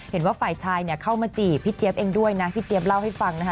เห็นว่าฝ่ายชายเนี่ยเข้ามาจีบพี่เจี๊ยบเองด้วยนะพี่เจี๊ยบเล่าให้ฟังนะคะ